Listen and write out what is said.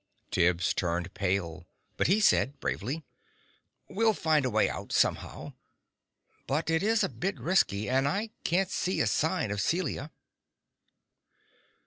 Tibbs turned pale, but he said bravely "We'll find a way out, somehow. But it is a bit risky. And I can't see a sign of Celia."